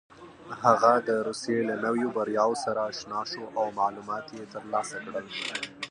هغه د روسيې له نویو بریاوو سره اشنا شو او معلومات یې ترلاسه کړل.